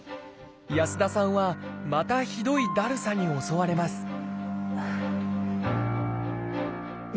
安田さんはまたひどいだるさに襲われます